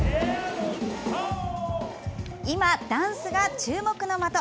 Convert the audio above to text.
今、ダンスが注目の的！